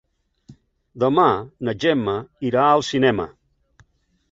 Demà na Gemma irà al cinema.